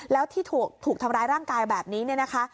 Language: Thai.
แล้วที่ถูกทำร้ายร่างกายแบบนี้เนี่ยนะคะ